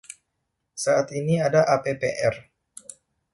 Saat ini ada appr.